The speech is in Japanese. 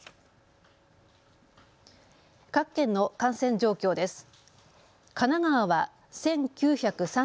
各県の感染状況です。